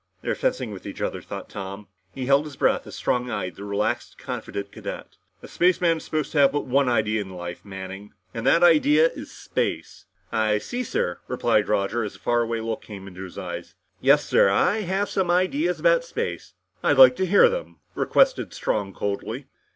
They're fencing with each other, thought Tom. He held his breath as Strong eyed the relaxed, confident cadet. "A spaceman is supposed to have but one idea in life, Manning. And that idea is space!" "I see, sir," replied Roger, as a faraway look came into his eyes. "Yes, sir, I have some ideas about life in space." "I'd like to hear them!" requested Strong coldly.